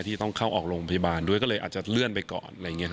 ที่ต้องเข้าออกโรงพยาบาลด้วยก็เลยอาจจะเลื่อนไปก่อน